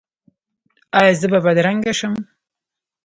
ایا زه به بدرنګه شم؟